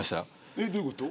えっ？どういうこと？